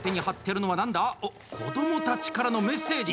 子どもたちからのメッセージ。